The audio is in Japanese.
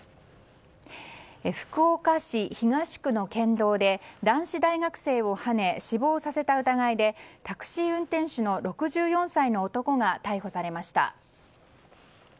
福岡市東区の県道で男子大学生をはね死亡させた疑いでタクシー運転手の６４歳の男が逮捕されました。